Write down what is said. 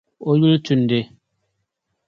O yuli Tunde